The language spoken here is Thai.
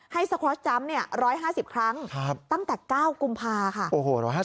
สคอสจำ๑๕๐ครั้งตั้งแต่๙กุมภาค่ะ